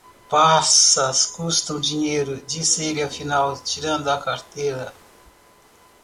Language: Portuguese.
Passas custam dinheiro, disse ele afinal, tirando a carteira.